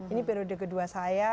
ini periode kedua saya